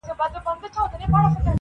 چی هر څوک به په سزا هلته رسېږي-